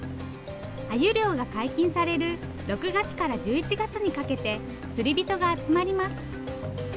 アユ漁が解禁される６月から１１月にかけて釣り人が集まります。